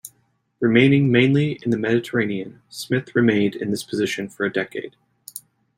Remaining mainly in the Mediterranean, Smith remained in this position for a decade.